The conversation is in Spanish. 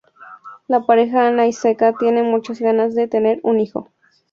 La pareja Ana y Zeca tienen muchas ganas de tener un hijo.